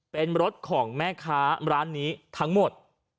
เป็นรถของแม่ค้าร้านนี้ทั้งหมด